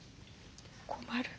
困る。